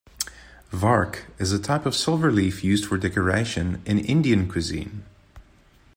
Vark is a type of silver leaf used for decoration in Indian cuisine.